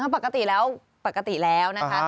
ปกติแล้วปกติแล้วนะคะ